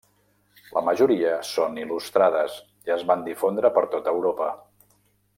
La majoria són il·lustrades, i es van difondre per tot Europa.